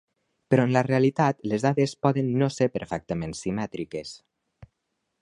Però en la realitat, les dades poden no ser perfectament simètriques.